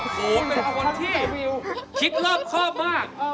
โอ้โฮเป็นอวัลที่คิดเลิกข้อบมาก